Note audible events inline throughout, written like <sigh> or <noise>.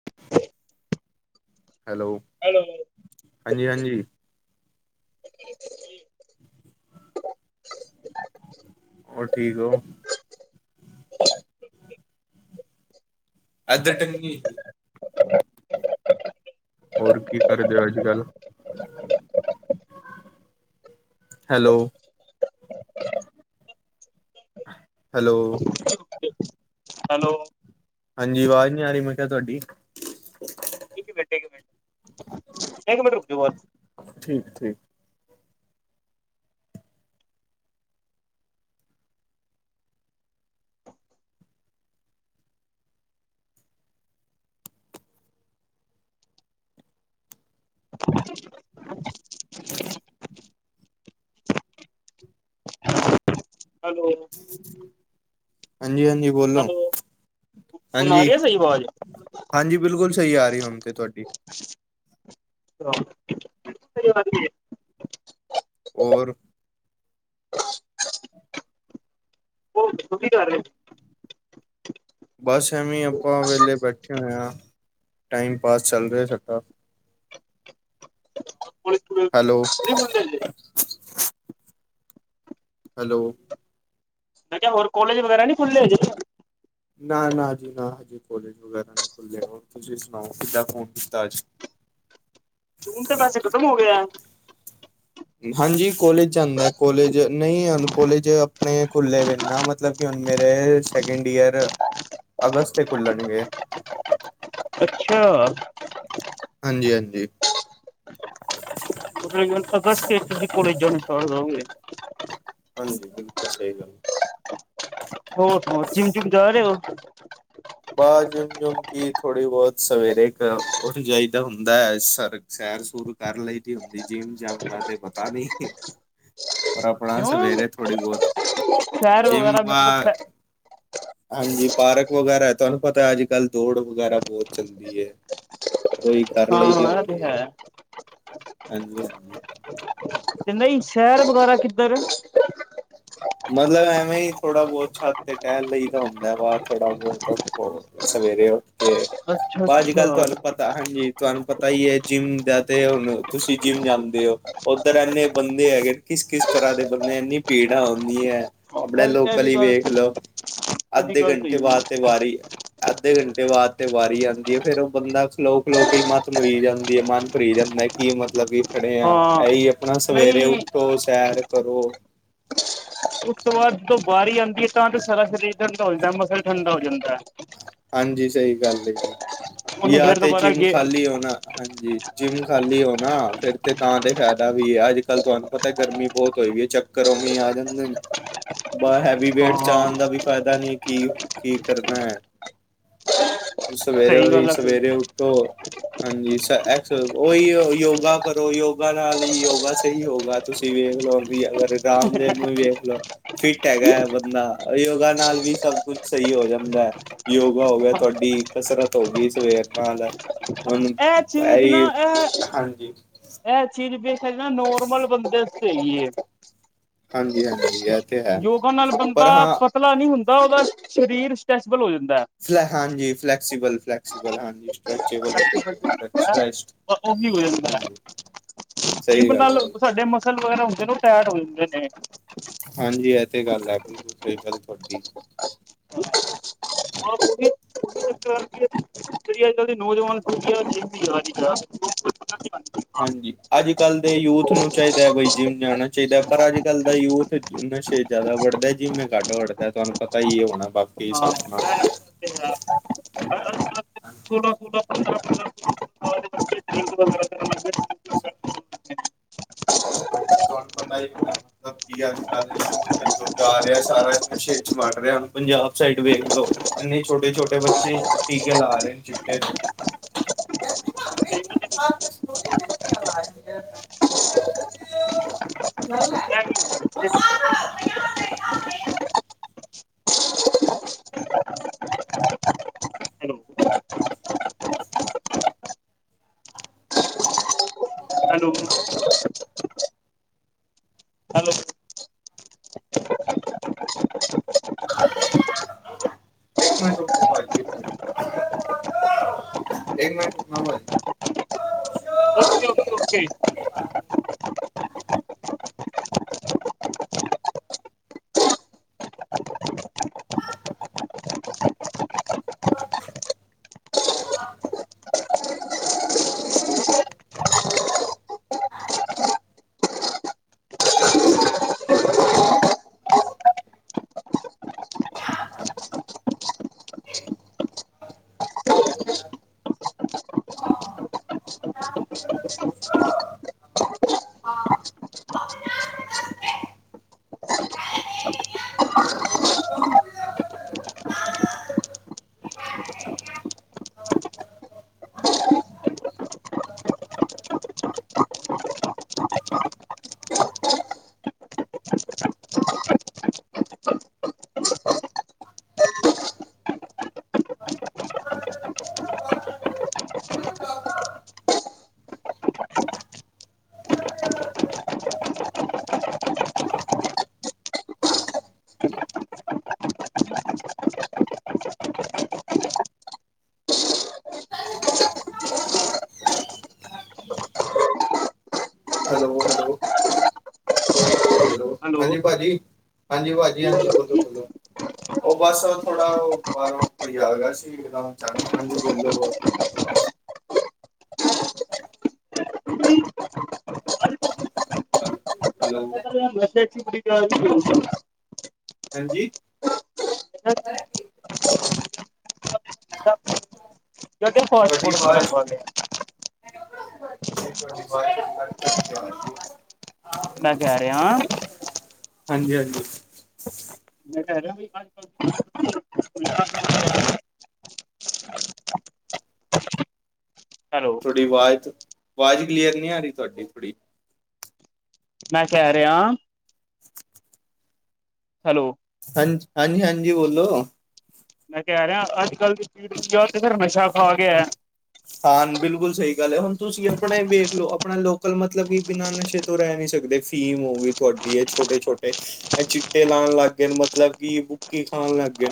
ਹ <unintelligible> hello hello ਹਾਂਜੀ- ਹਾਂਜੀ। <unintelligible> ਹੋਰ ਠੀਕ ਹੋ? ਇਧਰ ਟੰਗੀ ਹੋਈ ਸੀ। ਹੋਰ ਕੀ ਕਰਦੇ ਹੋ ਅੱਜ ਕੱਲ? ਹੈਲੋ। ਹੈਲੋ, ਹੈਲੋ ਹਾਂਜੀ ਆਵਾਜ਼ ਨੀ ਆ ਰਹੀ ਮੈ ਕਿਹਾ ਤੁਹਾਡੀ ਇੱਥੇ ਗੱਡੇ ਕਿੰਨੇ। ਇਕ ਮਿੰਟ ਰੂਕ ਜੌ ਬਸ। ਠੀਕ- ਠੀਕ। <unintelligible> ਹ <unintelligible> ਹੈਲੋ ਹਾਂਜੀ- ਹਾਂਜੀ ਬੋਲੋ। ਹੈਲੋ ਹੁਣ ਆ ਰਹੀ ਹਾਂਜੀ, ਹੈ ਸਹੀ ਆਵਾਜ਼ ਹਾਂਜੀ ਬਿਲਕੁਲ ਸਹੀ ਆ ਰਹੀ ਹੁਣ ਤੇ ਤੁਹਾਡੀ <unintelligible> ਔਰ? ਤੂ ਕੀ ਕਰ ਰਿਹਾ ਐ? ਬਾਸ ਐਵੇਂ ਈ ਅਪਾਂ ਵੇਲੇ ਬੈਠੇ ਹੋਏ ਹਾਂ, ਟਾਈਮ ਪਾਸ ਚੱਲ ਰੇਹਾ ਸਾਡਾ। ਹੈਲੋ। <unintelligible> ਹੈਲੋ। ਮੈਂ ਕੇਹਾ ਹੋਰ ਕੋਲੇਜ ਵਗੈਰਾ ਨੀ ਖੁੱਲੇ ਹਜੇ ਨਾ-ਨਾ ਜੀ ਨਾ ਹਜੇ ਕੋਲੇਜ ਵਗੈਰਾ ਨਹੀਂ ਖੁੱਲੇ, ਹੋਰ ਤੁਸੀਂ ਸੁਣਾਓ ਕਿੱਦਾਂ ਫੋਨ ਕੀਤਾ ਅੱਜ? ਜੂਨ ਤੇ ਵੈਸੇ ਖਤਮ ਹੌ ਗੇਆ। ਹਾਂਜੀ ਕੋਲੇਜ ਜਾਂਦਾ ਏ ਕੋਲੇਜ, ਨਈ ਹੁਣ ਕੋਲੇਜ ਅਪਣੇ ਖੁੱਲੇ ਵਏ ਨਾ ਮਤਲਬ ਕੀ ਹੂਨ ਮੇਰੇ ਸੈਕਿੰਡ ਈਅਰ ਅਗਸਤ ਤੇ ਖੁੱਲਣਗੇ। ਅੱਛਾ। ਹਾਂਜੀ-ਹਾਂਜੀ। ਫੇਰ ਮਨੂੰ ਪਤਾ ਏ <unintelligible> ਤੁਸੀਂ ਕੋਲੇਗ ਜੋਇਨ ਕਰ ਦੋਗੇ। ਹਾਂਜੀ ਬਿਲਕੁਲ ਸਈ ਗੱਲ। ਹੋਰ ਸੁਣਾਓ ਜਿਮ ਜੁਮ ਜਾ ਰਏ ਓ? ਬਾਸ ਜਿੰਮ ਜੁਮ ਕੀ ਥੋੜ੍ਹੀ ਬੋਹਤ ਸਵੇਰੇ ਕ ਉੱਠ ਜਾਈਦਾ ਹੁੰਦਾ ਐ ਸਰ ਸੈਰ ਸੂਰ ਕਰ ਲਈ ਦੀ ਹੁੰਦੀ, ਜਿਮ ਜਾਨ ਦਾ ਤੇ ਪਤਾ ਨੀ। <inaudible> ਪਰ ਆਪਣਾ ਕਿਉਂ ਸਵੇਰੇ ਥੋੜੀ ਬੋਹਤ ਸੈਰ ਵਗੈਰਾ ਮਤਲਬ ਫੇ ਹਾਂਜੀ ਪਾਰਕ ਵਗੈਰਾ ਤੁਹਾਨੂੰ ਪਤਾ ਏ ਅੱਜ ਕੱਲ੍ਹ ਦੌੜ ਵਗੈਰਾ ਬੋਹਤ ਚੱਲਦੀ ਏ। ਓਹੀ ਕਰ ਲਈ ਦੀ ਇਹ ਤੇ ਹੁੰਦੀ ਏ। ਹੈ ਹਾਂਜੀ-ਹਾਂਜੀ। ਕੈਂਦੇ ਈ ਸ਼ੇਹਰ ਵਗੈਰਾ ਕਿੱਧਰ? ਮਤਲਬ ਐਵੇਂ ਈ ਥੋੜਾ ਬੋਹਤ ਛੱਤ ਤੇ ਟੇਹਲ ਲਈ ਦਾ ਹੁੰਦਾ ਵਾ ਥੋੜਾ ਬੋਹਤ ਬ ਸਵੇਰੇ ਉੱਠ ਕੇ, ਅੱਛਾ ਬ ਅੱਜ ਕੱਲ ਤੁਹਾਨੂੰ ਅੱਛਾ ਪਤਾ, ਹਾਂਜੀ। ਤੁਹਾਨੂੰ ਪਤਾ ਈ ਏ ਜਿੰਮ ਦਾ ਤੇ ਹੋਣ ਤੁਸੀਂ ਜਿੰਮ ਜਾਂਦੇ ਔ ਓਧਰ ਐਨੇ ਬੰਦੇ ਹੈਗੇ ਕਿਸ-ਕਿਸ ਤਰ੍ਹਾਂ ਦੇ ਬੰਦੇ, ਇੰਨੀ ਭੀੜਾਂ ਹੁੰਦੀਆਂ ਏ ਅਪਣੇ ਇਹ ਵੀ ਇਹ ਲੋਕਲ ਵੀ ਹੀ ਗੱਲ ਵੇਖ ਲੋ, ਇਹ ਵੀ ਅੱਧੇ ਗੱਲ ਸਹੀ ਘੰਟੇ ਬਾਅਦ ਹੈ ਤੇ ਵਾਰੀ ਅੱਧੇ ਕੰਟੇ ਵਾਦ ਤੇ ਵਾਰੀ ਆਂਦੀ ਏ, ਫੇਰ ਉਹ ਬੰਦਾ ਖਲੋ-ਖਲੋ ਕੇ ਹੀ ਮੱਤ ਮਰੀ ਜਾਂਦੀ ਏ, ਮਨ ਭਰੀ ਜਾਂਦਾ ਕੀ ਮਤਲਬ ਕੀ ਖੜੇ ਆ, ਹਾਂ ਏਹੀ ਅਪਣਾ ਸਵੇਰੇ ਨਹੀਂ ਉੱਠੋ ਸੈਰ ਕਰੋ। ਉਸ ਤੋਂ ਬਾਅਦ ਜਦੋਂ ਬਾਰੀ ਆਂਦੀ ਹੈ ਤਾਂ ਤੇ ਸਾਰਾ ਸਰੀਰ ਠੰਡਾ ਹੋ ਜਾਂਦਾ, ਮਸਾਂ ਈ ਠੰਡਾ ਹੋ ਜਾਂਦਾ ਏ। ਹਾਂਜੀ ਸਈ ਗੱਲ ਏ ਉਹਨੂੰ ਯਾ ਫੇਰ ਤੇ ਦੁਬਾਰਾ ਜਿੰਮ ਗੇ ਖਾਲੀ ਹੋਨਾ ਹਾਂਜੀ ਜਿੰਮ ਖਾਲੀ ਹੋ ਨਾ ਫੇਰ ਤੇ ਤਾਂ ਤੇ ਫਾਏਦਾ ਵੀ ਏ ਅੱਜ ਕੱਲ ਤੁਹਾਨੂੰ ਪਤਾ ਏ ਗਰਮੀ ਬੋਹਤ ਹੋਈ ਪਈ ਹੈ ਚੱਕ ਘਰੋਂ ਵੀ ਆ ਜਾਂਦੇ ਬ ਹੈਵੀ ਵੇਟ ਚ ਹਾਂ ਆਣ ਦਾ ਵੀ ਫਾਏਦਾ ਨਈ ਕੀ, ਕੀ ਕਰਨਾ ਏ? ਸਵੇਰੇ ਸਹੀ ਓਈ ਗੱਲ ਆ ਸਹੀ ਸਵੇਰੇ ਉੱਠੋ ਹਾਂਜੀ ਸ ਐਚ ਓਹੀਹੋ ਯੋਗਾ ਕਰੋ, ਯੋਗਾ ਨਾਲ ਈ ਯੋਗਾ ਸਈ ਹੋਗਾ। ਤੁਸੀਂ ਵੇਖ ਲੋ ਵੀ ਅਗਰ ਰਾਮਦੇਵ ਨੂੰ ਵੀ ਵੇਖ ਲਓ। ਫਿੱਟ ਹੈਗਾ ਏ ਬੰਦਾ, ਯੋਗਾ ਨਾਲ ਵੀ ਸਭ ਕੁਛ ਸਈ ਹੋ ਜਾਂਦਾ ਏ। ਯੋਗਾ ਹੋ ਗੇਆ ਤੁਹਾਡੀ ਕਸਰਤ ਹੋ ਗਈ ਸਵੇਰ ਨਾਲ। ਹੁਣ ਇਹ ਏਹ ਈ ਹਾਂਜੀ। ਏਹ ਚੀਜ਼ ਵੇਖਯਾ ਜਾਏ ਨਾ ਨੋਰਮਲ ਬੰਦੇ ਆਸਤੇ ਹੈਗੀ ਏ। ਹਾਂਜੀ-ਹਾਂਜੀ ਏਹ ਯੋਗਾ ਨਾਲ ਬੰਦਾ ਪਤਲਾ ਨਹੀਂ ਹੁੰਦਾ, ਓਹਦਾ ਸ਼ਰੀਰ ਸਟ੍ਰੈਸਿਬਲ ਹੋ ਜਾਂਦਾ ਏ। ਫਲੈ ਹਾਂਜੀ ਫਲੈਕਸੀਬਲ-ਫਲੈਕਸੀਬਲ ਹਾਂਜੀ ਫ ਉਹੀ ਹੋ ਜਾਂਦਾ। ਹਾਂਜੀ ਜਿੰਮ ਸਹੀ ਗੱਲ ਹੈ ਨਾਲ ਜੀ ਸਾਡੇ ਮਸਲ ਵਗੈਰਾ ਹੁੰਦੇ ਨੇ ਉਹ ਟੈਟ ਹੋ ਜਾਂਦੇ ਨੇ। ਹਾਂਜੀ ਐ ਤੇ ਗੱਲ ਐ ਬਿਲਕੁਲ ਸਹੀ ਗੱਲ ਤੁਹਾਡੀ। ਔਰ ਉਹੀ ਜਿਹੜੀ ਅੱਜਕੱਲ ਦੇ ਨੌਜਵਾਨ <unintelligible> ਹਾਂਜੀ ਅੱਜਕੱਲ੍ਹ ਦੇ ਯੂਥ ਨੂੰ ਚਾਹੀਦਾ ਬਾਈ ਜਿਮ ਜਾਣਾ ਚਾਹੀਦਾ ਪਰ ਅੱਜਕੱਲ੍ਹ ਦਾ ਯੂਥ ਨਸ਼ੇ ਜ਼ਿਆਦਾ ਵੱਡਦਾ ਜਿਮ ਘੱਟ ਵੱੜਦਾ ਤੁਹਾਨੂੰ ਪਤਾ ਹੀ ਹੋਣਾ ਬਾਕੀ ਹਿਸਾਬ ਨਾਲ। ਤੇ ਹਾਂ। ਸੋਲਾਂ-ਸੋਲਾਂ ਪੰਦਰਾਂ ਕੀ <unintelligible> ਹਾਂਜੀ ਤੁਹਾਨੂੰ ਪਤਾ ਹੀ ਹੋਣਾ ਮਤਲਬ ਕੀ ਅਜਕੱਲ ਜਾ ਰਿਹਾ ਸਾਰਾ ਨਸ਼ੇ 'ਚ ਵੜ ਰਿਹਾ ਪੰਜਾਬ ਸਾਈਡ ਵੇਖ ਲੋ। ਨਹੀਂ ਛੋਟੇ-ਛੋਟੇ ਬੱਚੇ, ਟੀਕੇ ਲਾ ਰਹੇ ਨੇ ਚਿੱਟੇ <unintelligible> ਗਏ <unintelligible> <unintelligible> <inaudible> ਹੈਲੋ ਹੈਲੋ ਹੈਲੋ ਇੱਕ ਮਿੰਟ ਰੁਕੋ ਭਾਜੀ ਇੱਕ ਮਿੰਟ ਇੱਕ ਮਿੰਟ ਰੁਕਨਾ ਭਾਜੀ। ਜੀ। <unintelligible> <unintelligible> ਹੋ ਤਾਂ <unintelligible> ਹਾਂ। Hello, hello. ਹੈਲੋ ਹਾਂਜੀ ਭਾਜੀ, ਹਾਂਜੀ ਭਾਜੀ ਹਾਂਜੀ ਬੋਲੋ-ਬੋਲੋ। ਉਹ ਬਸ ਓ ਥੋੜਾ ਓ ਬਾਹਰੋਂ ਕੋਈ ਆ ਗਿਆ ਸੀ ਇੱਕਦਮ ਅਚਾਨਕ ਹਾਂਜੀ ਬੋਲੋ-ਬੋਲੋ। <unintelligible> ਹੈਲੋ। <unintelligible> ਹਾਂਜੀ। ਕਿਹੜੇ <unintelligible> ਫਾਸਟ ਤੁਹਾਡੀ ਫੂਡ ਵਗੈਰਾ ਆਵਾਜ਼ ਖਾਂਦੇ <unintelligible> ਮੈਂ ਕਹਿ ਰਿਆ ਹਾਂਜੀ-ਹਾਂਜੀ। ਮੈਂ ਕਿਹਾ ਰਿਹਾ <unintelligible> <unintelligible> ਹੈਲੋ ਤੁਹਾਡੀ ਆਵਾਜ਼, ਆਵਾਜ਼ ਕਲੀਅਰ ਨਹੀਂ ਆ ਰਹੀ ਤੁਹਾਡੀ ਥੋੜ੍ਹੀ। ਮੈਂ ਕਹਿ ਰਿਹਾ- ਹੈਲੋ। ਹਾਂਜੀ, ਹਾਂਜੀ-ਹਾਂਜੀ ਬੋਲੋ। ਮੈਂ ਕਹਿ ਰਿਹਾ ਅੱਜਕੱਲ ਦੀ ਪੀੜੀ ਆ ਤੇ ਫਿਰ ਨਸ਼ਾ ਖਾ ਗਿਆ। ਹਾਂ ਬਿਲਕੁਲ ਸਹੀ ਗੱਲ ਹੈ ਹੁਣ ਤੁਸੀਂ ਆਪਣੇ ਵੇਖ ਲਉ ਆਪਣਾ ਲੋਕਲ ਮਤਲਬ ਕਿ ਬਿਨਾਂ ਨਸ਼ੇ ਤੋਂ ਰਹਿ ਨਹੀਂ ਸਕਦੇ ਫੀਮ ਹੋ ਗਈ ਤੁਹਾਡੀ ਐ ਛੋਟੇ-ਛੋਟੇ। ਐ ਚਿੱਟੇ ਲਾਉਣ ਲੱਗ ਗਏ ਮਤਲਬ ਕਿ ਬੁੱਕੀ ਖਾਣ ਲੱਗ ਗਏ।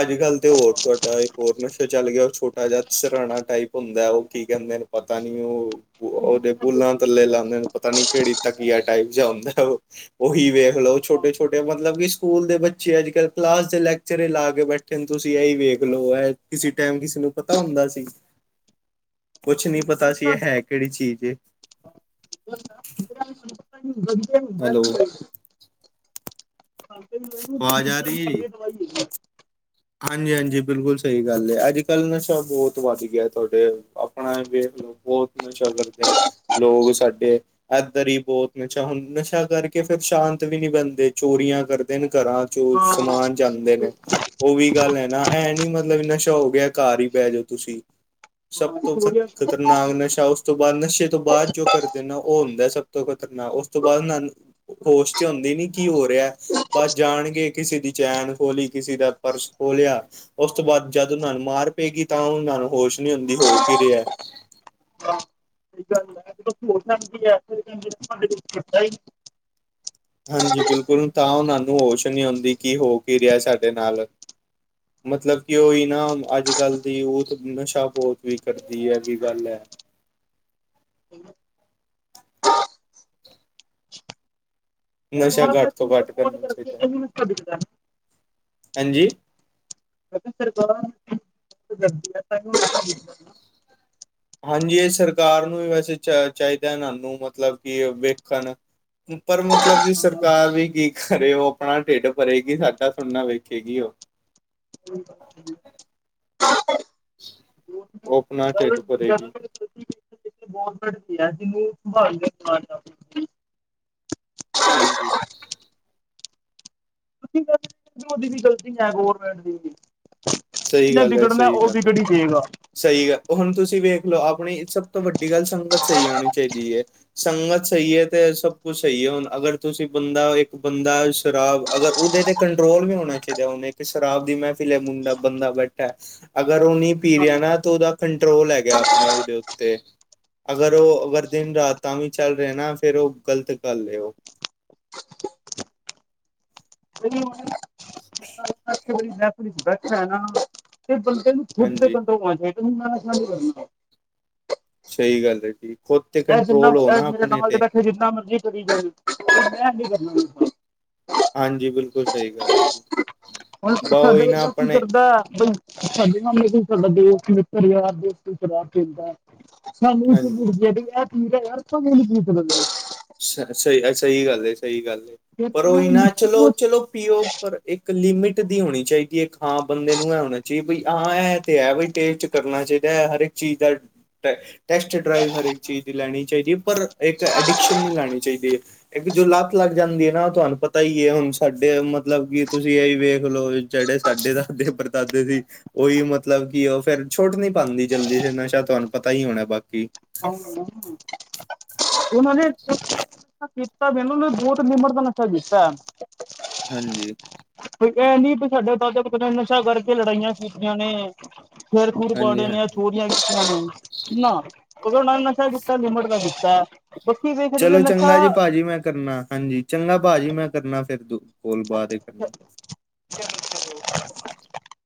ਅੱਜ -ਕੱਲ੍ਹ ਤੇ ਔਰ ਤੁਹਾਡਾ ਇੱਕ ਹੋਰ ਨਸ਼ਾ ਚੱਲ ਗਿਆ ਉਹ ਛੋਟਾ ਜਿਹਾ ਸਰਾਣਾ ਟਾਈਪ। ਹੁੰਦਾ ਉਹ ਕੀ ਕਹਿੰਦੇ ਨੇ ਪਤਾ ਨੀ ਉਹ। ਉਹਦੇ ਬੁੱਲਾਂ ਥੱਲੇ ਲਾਂਦੇ ਪਤਾ ਨੀ ਕਿਹੜੀ ਤਕੀਆ ਟਾਈਪ ਜਾ ਹੁੰਦਾ ਉਹ। ਉਹੀ ਵੇਖ ਲਓ ਛੋਟੇ-ਛੋਟੇ ਮਤਲਬ ਕਿ ਸਕੂਲ ਦੇ ਬੱਚੇ ਅੱਜ-ਕੱਲ੍ਹ ਕਲਾਸ ਦੇ ਲੈਕਚਰ ਹੀ ਲਾ ਕੇ ਬੈਠ। ਲੇਕਿਨ ਤੁਸੀਂ ਇਹੀ ਵੇਖ ਲਓ ਐਹ ਕਿਸੇ ਟਾਈਮ ਕਿਸੇ ਨੂੰ ਪਤਾ ਹੁੰਦਾ ਸੀ। ਕੁਛ ਨੀ ਪਤਾ ਸੀ ਇਹ ਹੈ ਕਿਹੜੀ ਚੀਜ਼। ਗ <unintelligible> ਹੈਲੋ। ਅਵਾਜ਼ ਆ ਰਹੀ ਹੈ ਜੀ। ਈ <unintelligible> ਹਾਂਜੀ-ਹਾਂਜੀ ਬਿਲਕੁਲ ਸਹੀ ਗੱਲ ਏ ਅੱਜ-ਕੱਲ੍ਹ ਨਸ਼ਾ ਬਹੁਤ ਵੱਧ ਗਿਆ ਤੁਹਾਡੇ ਆਪਣਾ ਵੇਖ ਲਓ ਬਹੁਤ ਨਸ਼ਾ ਕਰਦੇ ਲੋਗ ਸਾਡੇ। ਏਧਰ ਹੀ ਬਹੁਤ ਨਸ਼ਾ ਹੁੰਦਾ ਨਸ਼ਾ ਕਰਕੇ ਫੇਰ ਸ਼ਾਂਤ ਵੀ ਨੀ ਬਹਿੰਦੇ, ਚੋਰੀਆਂ ਕਰਦੇ ਨੇ ਘਰਾਂ। ਚੋਰ ਸਮਾਨ ਜਾਂਦੇ ਨੇ। ਉਹ ਵੀ ਗੱਲ ਹੈ ਨਾ ਏਹ ਨੀ ਮਤਲਬ ਨਸ਼ਾ ਹੋ ਗਿਆ ਘਰ ਹੀ ਬਹਿ ਜਾਓ ਤੁਸੀ, ਸਭ ਤੋਂ ਖਤ ਖਤਰਨਾਕ ਨਸ਼ਾ ਉਸ ਤੋਂ ਬਾਅਦ ਨਸ਼ੇ ਤੋਂ ਬਾਅਦ ਜੋ ਕਰਦੇ ਨੇ ਉਹ ਹੁੰਦਾ ਸਭ ਤੋਂ ਖ਼ਤਰਨਾਕ ਉਸ ਤੋਂ ਬਾਅਦ ਨ ਹੋਸ਼ ਤੇ ਹੁੰਦੀ ਨੀ ਕੀ ਹੋ ਰਿਹਾ ਬਸ ਜਾਣਗੇ ਕਿਸੇ ਦੀ ਚੈਨ ਖੋਲੀ ਕਿਸੇ ਦਾ। ਪਰਸ ਖੋ ਲਿਆ। ਉਸ ਤੋਂ ਬਾਅਦ ਜਦ ਉਹਨਾਂ ਨੂੰ ਮਾਰ ਪਏਗੀ ਤਾਂ ਉਹਨਾਂ ਨੂੰ ਹੋਸ਼ ਨੀ ਹੁੰਦੀ ਹੋ ਕੀ ਰਿਹਾ। ਸਹੀ ਗੱਲ ਰਹਿਣ ਦੋ ਹੋ ਸਕਦੀ ਹੈ ਫਿਰ ਕਹਿੰਦੇ ਅਸੀ ਕੁਛ ਕੀਤਾ ਹੀ ਨਹੀ ਹਾਂਜੀ ਬਿਲਕੁਲ ਤਾਂ ਉਹਨਾਂ ਨੂੰ ਹੋਸ਼ ਨੀ ਹੁੰਦੀ ਕਿ ਹੋ ਕੀ ਰਿਹਾ ਸਾਡੇ ਨਾਲ। ਹਾਂ <inaudible> ਮਤਲਬ ਕਿ ਉਹੀ ਨਾ ਅੱਜ ਕੱਲ ਦੀ ਯੂਥ ਨਸ਼ਾ ਬੋਤ ਵੀ ਕਰਦੀ ਹੈ ਇਹ ਹੀ ਗੱਲ ਹੈ। ਨਸ਼ਾ ਘਟ ਤੋਂ ਘਟ ਕਰਨਾ ਚਾਹੀਦਾ ਹਾਂਜੀ। ਫਿਰ ਤੋਂ ਗ <unintelligible> ਹਾਂਜੀ ਇਹ ਸਰਕਾਰ ਨੂੰ ਵੀ ਵੈਸੇ ਚ ਚਾਈਦਾ ਇਹਨਾਂ ਨੂੰ ਮਤਲਬ ਕਿ ਵੇਖਣ। ਪਰ ਮਤਲਬ ਕਿ ਸਰਕਾਰ ਵੀ ਕੀ ਕਰੇ ਉਹ ਆਪਣਾ ਢਿੱਡ ਭਰੇਗੀ ਸਾਡਾ ਥੋੜੀ ਨਾ ਵੇਖੇਗੀ ਉਹ। ਇਹ ਗੱਲ ਤਾਂ ਹੈ ਉਹ ਆਪਣਾ ਢਿੱਡ ਭਰੇਗੀ ਸੋਰਟਕਟ ਗਿਆ ਸੀ ਮੂੰਹ ਭੂਨਾ ਦੇ ਨੂੰਭਾ ਹਾਂਜੀ ਕੀ ਗੱਲ ਉਹਦੀ ਵੀ ਗਲਤੀ ਹੈ ਗੌਰਮੈਂਟ ਦੀ ਵੀ, ਸਹੀ ਜਿੰਨੇ ਗੱਲ ਐ, ਵਿਗੜਨਾ ਸਹੀ ਉਹ ਗੱਲ ਐ। ਵਿਗੜ ਹੀ ਦੇਗਾ ਸਹੀ ਗੱਲ ਹੁਣ ਤੁਸੀਂ ਵੇਖ ਲਓ ਆਪਣੀ ਸਭ ਤੋਂ ਵੱਡੀ ਗੱਲ ਸੰਗਤ ਸਹੀ ਹੋਣੀ ਚਾਹੀਦੀ ਹੈ ਏ ਸੰਗਤ ਸਹੀ ਤੇ ਸਭ ਕੁਛ ਸਹੀ ਹੈ ਹੁਣ ਅਗਰ ਤੁਸੀਂ ਬੰਦਾ ਇੱਕ ਬੰਦਾ ਸ਼ਰਾਬ ਅਗਰ ਉਹਦੇ ਤੇ ਕੰਟਰੋਲ ਵੀ ਹੋਣਾ ਚਾਹੀਦਾ ਹੁਨ ਇੱਕ ਸ਼ਰਾਬ ਦੀ ਮਹਿਫ਼ਿਲ ਹੈ ਮੁੰਡਾ ਬੰਦਾ ਬੈਠਾ ਅਗਰ ਉਹ ਨਹੀਂ ਪੀ ਰਿਹਾ ਨਾ ਤਾਂ ਉਹਦਾ ਕੰਟਰੋਲ ਹੈਗਾ ਆਪਣੇ ਉਹਦੇ ਉੱਤੇ ਅਗਰ ਉਹ ਅਗਰ ਦਿਨ ਰਾਤ ਤਾਂ ਵੀ ਚੱਲ ਰਿਹਾ ਨਾ ਫੇਰ ਉਹ ਗ਼ਲਤ ਗਲ ਉਹ ਤੁ ਮ <unintelligible> <inaudible> ਕੋਈ ਮਹਿਫਿਲ 'ਚ ਬੈਠਾ ਨਾ, ਤੇ ਬੰਦੇ ਨੂੰ ਖੁੱਦ ਤੇ ਹਾਂਜੀ ਕੰਟਰੋਲ ਹੋਣਾ ਚਾਹੀਦਾ ਕਿ ਮੈਂ ਨਸ਼ਾ ਨਹੀ ਕਰਨਾ ਸਹੀ ਗੱਲ ਜੀ ਖੁਦ ਤੇ ਇਹ ਜਿੰਨਾ, ਕੰਟਰੋਲ ਹੋ ਇਹ ਨਾ ਮੇਰੇ ਆਪਣੇ ਨਾਲ ਤੇ ਬੈਠੇ, ਜਿੰਨਾ ਮਰਜ਼ੀ ਕਰੀ ਜਾਵੇ। ਮੈਂ ਕਰਨਾ <unintelligible> ਹਾਂਜੀ, ਬਿਲਕੁਲ ਸਹੀ ਗੱਲ ਹੈ ਜੀ। ਹੁਣ ਬ ਉਹੀ ਨਾ ਕੀ ਆਪਣੇ ਕਰਦਾ, ਬਈ <unintelligible> ਸਾਡੇ ਮਾਮੇ, ਕੋਈ ਸਾਡਾ ਦੋਸ-ਮਿੱਤਰ, ਯਾਰ ਕੋਈ ਸ਼ਰਾਬ ਪੀਂਦਾ ਸਾਨੂੰ ਚੜ ਹਾਂਜੀ ਤੇ ਪੀ, ਯਾਰ ਸ ਮਨ ਪੀਤ ਲ <unintelligible> ਸ ਸਹੀ-ਸਹੀ ਗੱਲ, ਸਹੀ ਗੱਲ, ਫਿਰ ਪਰ ਉਹ ਇਨਾ ਨਿੱਕੀ ਚਲੋ-ਚਲੋ ਪੀੳ ਪਰ ਇੱਕ, ਲਿਮਿਟ ਦੀ ਹੋਣੀ ਚਾਹੀਦੀ ਹੈ। ਇੱਕ ਹਾਂ ਬੰਦੇ ਨੂੰ ਇਹ ਹੋਣਾ ਚਾਹੀਦਾ, ਬਈ ਹਾਂ ਇਹ ਐ ਤੇ ਹੈ, ਬਈ ਟੇਸਟ ਕਰਨਾ ਚਾਹੀਦਾ ਹੈ, ਹਰ ਇੱਕ ਚੀਜ਼ ਦਾ। ਟੈਸਟ ਡਰਾਈਵ, ਹਰ ਇੱਕ ਚੀਜ਼ ਦੀ ਲੈਣੀ ਚਾਹੀਦੀ ਹੈ। ਪਰ ਇੱਕ ਐਡੀਿਕਸ਼ਨ, ਨਹੀਂ ਲੈਣੀ ਚਾਹੀਦੀ ਹੈ। ਇੱਕ ਜੋ ਲੱਤ ਲੱਗ ਜਾਂਦੀ ਹੈ ਨਾ, ਤੁਹਾਨੂੰ ਪਤਾ ਹੀ ਹੈ ਹੁਣ ਸਾਡੇ, ਮਤਲਬ ਕਿ ਤੁਸੀਂ ਇਹਹੀ ਵੇਖ ਲਓ ਜਿਹੜੇ ਸਾਡੇ ਦਾਦੇ, ਪਰਦਾਦੇ ਸੀ ਉਹੀ ਮਤਲਬ ਕਿ, ਉਹ ਫੇਿਰ ਛੁੱਟ ਨੀ ਪਾਉਂਦੀ ਜਲਦੀ ਤੇ ਨਸ਼ਾ, ਤੇ ਤੁਹਾਨੂੰ ਪਤਾ ਹੀ ਹੋਣਾ ਬਾਕੀ। <inaudible> ਉਹਨਾਂ ਨੇ ਕੀਤਾ ਵੀ, ਇਹਨੂੰ ਉਹ ਬਹੁਤ ਲਿਮਿਟ ਦਾ ਨਸ਼ਾ ਕੀਤਾ। ਹਾਂਜੀ। ਕੋਈ ਇਹ ਨੀ, ਵੀ ਸਾਡੇ ਦਾਦਾ ਨੇ ਨਸ਼ਾ ਕਰਕੇ ਲੜਾਈਆਂ ਕੀਤੀਆਂ ਨੇ। ਫੇਰ ਖੁਰ ਹਾਂਜੀ ਪਾੜੇ ਨੇ, ਆ ਹਾਂਜੀ 'ਚੋ <unintelligible> ਨਾ, ਕਦੋਂ ੳਨਾ ਨੇ ਨਸ਼ਾ ਕੀਤਾ, ਲਿਮਟ ਦਾ ਕੀਤਾ। ਬਾਕੀ ਵੇਖ ਜੇ ਚਲੋ ਨਸ਼ਾ ਚੰਗਾ ਜੀ ਭਾਜੀ ਮੈਂ ਕਰਨਾ, ਹਾਂਜੀ ਚੰਗਾ ਭਾਜੀ ਮੈਂ ਕਰਨਾ, ਫਿਰ 'ਦ ਕੋਲ ਬਾਅਦ ਕਰਨਾ। <inaudible>